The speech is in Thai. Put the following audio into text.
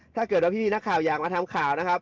ถ้าเกิดพี่นักข่าวอยากมาทำข่าว